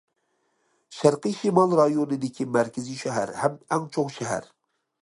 شەرقىي شىمال رايونىدىكى مەركىزى شەھەر ھەم ئەڭ چوڭ شەھەر.